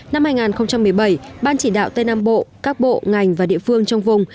năm hai nghìn một mươi bảy ban chỉ đạo tây nam bộ các bộ ngành và địa phương trong vùng